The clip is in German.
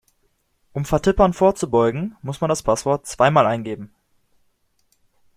Um Vertippern vorzubeugen, muss man das Passwort zweimal eingeben.